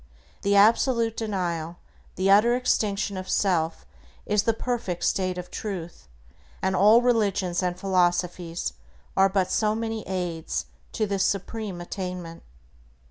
The absolute denial, the utter extinction, of self is the perfect state of Truth, and all religions and philosophies are but so many aids to this supreme attainment.